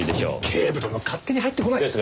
警部殿勝手に入ってこないで。